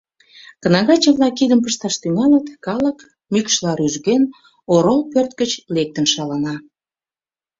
Кнагаче-влак кидым пышташ тӱҥалыт, калык, мӱкшла рӱжген, орол пӧрт гыч лектын шалана.